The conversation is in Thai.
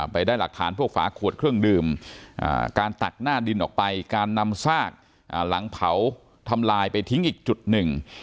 ไปได้หลักฐานพวกฝาขวดเครื่องดื่มการตักหน้าดินออกไปการนำซากหลังเผาทำลายไปทิ้งอีกจุดหนึ่ง